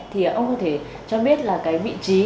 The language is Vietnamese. thì ông có thể cho biết là cái vị trí